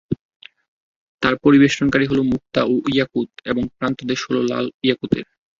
তার পরিবেষ্টনকারী হলো মুক্তা ও ইয়াকুত এবং প্রান্তদেশ হলো লাল ইয়াকুতের।